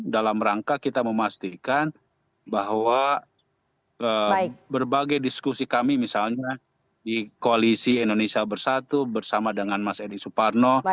dalam rangka kita memastikan bahwa berbagai diskusi kami misalnya di koalisi indonesia bersatu bersama dengan mas edi suparno